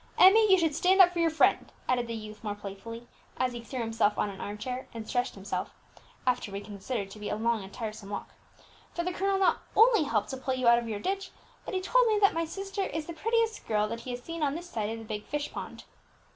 Emmie, you should stand up for your friend," added the youth more playfully, as he threw himself on an arm chair, and stretched himself, after what he considered to be a long and tiresome walk, "for the colonel not only helped to pull you out of your ditch, but he told me that my sister is the prettiest girl that he has seen on this side of the big fish pond."